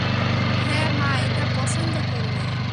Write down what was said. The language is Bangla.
হ্যাঁ - মা এটা পছন্দ করবে।